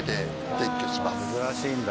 珍しいんだ